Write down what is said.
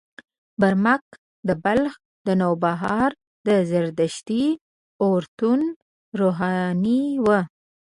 برمک د بلخ د نوبهار د زردشتي اورتون روحاني و.